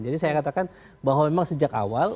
jadi saya katakan bahwa memang sejak awal